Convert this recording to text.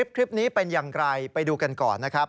คลิปนี้เป็นอย่างไรไปดูกันก่อนนะครับ